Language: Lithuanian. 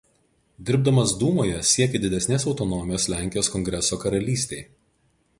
Dirbdamas dūmoje siekė didesnės autonomijos Lenkijos Kongreso karalystei.